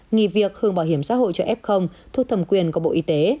nghị việc hưởng bảo hiểm xã hội cho f thuộc thầm quyền của bộ y tế